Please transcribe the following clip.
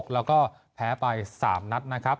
แล้วก็แพ้ไป๓นัดนะครับ